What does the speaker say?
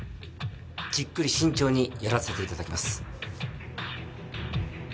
じっくり慎重にやらせて頂きます。